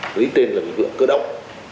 lấy tên là lực lượng cơ động